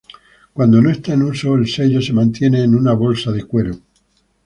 Cuando no está en uso, el sello se mantiene en una bolsa de cuero.